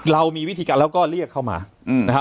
เรามีวิธีการแล้วก็เรียกเข้ามา